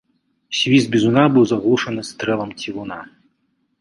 Свіст бізуна быў заглушаны стрэлам цівуна.